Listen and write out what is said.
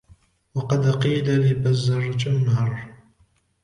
وَقَدْ قِيلَ لِبَزَرْجَمْهَرَ